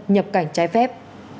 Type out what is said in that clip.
nhập cảnh trái phép